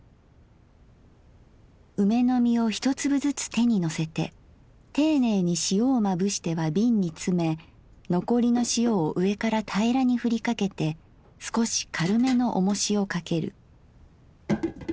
「梅の実を一粒ずつ手にのせて丁寧に塩をまぶしては瓶につめ残りの塩を上からたいらにふりかけてすこし軽めのおもしをかける。